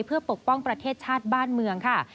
เพื่อปกป้องประเทศชาติบ้านเมืองค่ะ